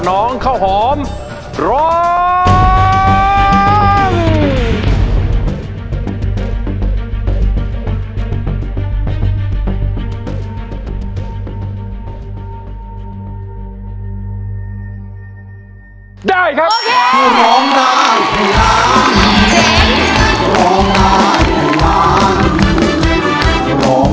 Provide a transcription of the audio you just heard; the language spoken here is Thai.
น้องข้าวหอมร้อง